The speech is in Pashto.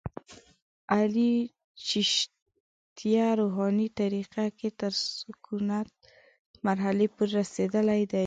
علي چشتیه روحاني طریقه کې تر سکونت مرحلې پورې رسېدلی دی.